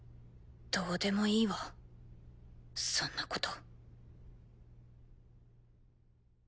どうでもいいわそんなこと。